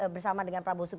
bersama dengan pak muhaymin